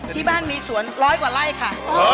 ที่บ้านมีสวนร้อยกว่าไร่ค่ะ